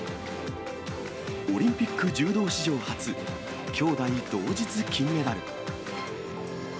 オリンピック柔道史上初兄妹同日金メダル。